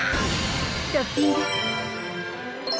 トッピング！